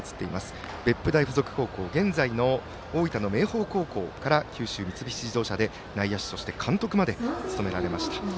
別府大付属高校、現在の大分の明豊高校から、九州三菱自動車で監督まで務められました。